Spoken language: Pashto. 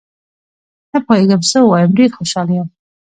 نه پوهېږم څه ووایم، ډېر خوشحال یم